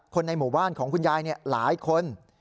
ในหมู่บ้านของคุณยายหลายคน